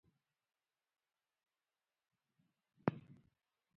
منی د افغانستان د اقتصادي ودې لپاره ارزښت لري.